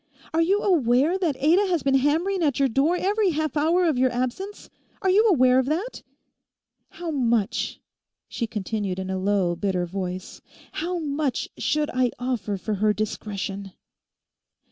Are you aware that Ada has been hammering at your door every half hour of your absence? Are you aware of that? How much,' she continued in a low, bitter voice, 'how much should I offer for her discretion?